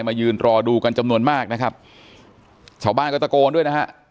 ยืนรอดูกันจำนวนมากนะครับชาวบ้านก็ตะโกนด้วยนะฮะ